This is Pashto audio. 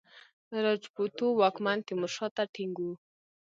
راجپوتو واکمن تیمورشاه ته ټینګ وو.